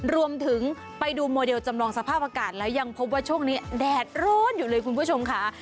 รวมไปถึงไปดูโมเดลจำลองสภาพอากาศแล้วยังพบว่าช่วงนี้แดดร้อนอยู่เลยคุณผู้ชมค่ะ